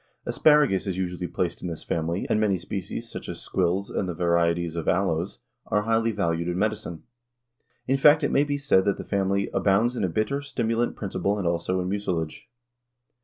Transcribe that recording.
Asparagus is usually placed in this family and many species, such as squills and the varieties of aloes, are highly valued in medicine. In fact it may be said that the family "abounds in a bitter, stimulant principle and also in mucilage."